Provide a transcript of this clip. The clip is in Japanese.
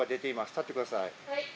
立ってください。